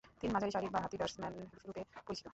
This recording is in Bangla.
তিনি মাঝারি সারির বাঁ হাতি ব্যাটসম্যানরূপে পরিচিত।